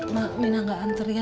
ma minah ga antur ya